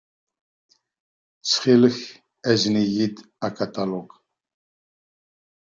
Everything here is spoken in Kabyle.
Ttxil-k, azen-iyi-d akaṭalug.